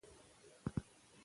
ایا دښمن په جګړه کې تسلیم شو؟